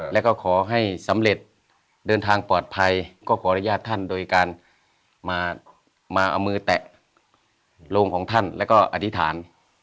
แล้วก็ขอให้สำเร็จเดินทางปลอดภัยก็ขออนุญาตท่านโดยการมาเอามือแตะโรงของท่านแล้วก็อธิษฐาน